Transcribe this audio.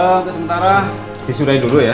untuk sementara disurai dulu ya